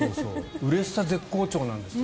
うれしさが最高潮なんですって。